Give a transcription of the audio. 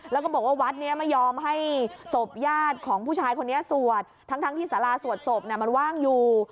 แล้วก็บอกว่าวัดนี้ไม่ยอมให้ศพญาติของผู้ชายคนนี้สวดทั้งที่สาราสวดศพมันว่างอยู่